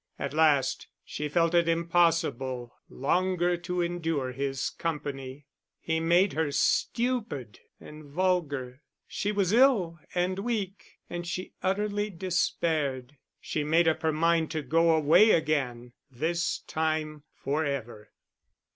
At last she felt it impossible longer to endure his company; he made her stupid and vulgar; she was ill and weak, and she utterly despaired. She made up her mind to go away again, this time for ever.